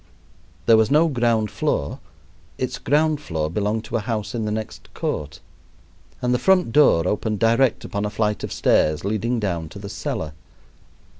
There was no ground floor its ground floor belonged to a house in the next court, and the front door opened direct upon a flight of stairs leading down to the cellar.